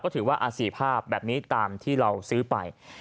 ถือว่าอาศีภาพแบบนี้ตามที่เราซื้อไป